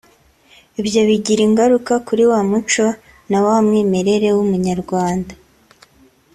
ibyo bigira ingaruka kuri wa muco na wa mwimerere w’Umunyarwanda